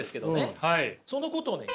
そのことをね